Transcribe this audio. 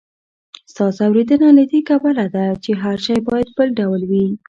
ستا ځوریدنه له دې کبله ده، چې هر شی باید بل ډول وي.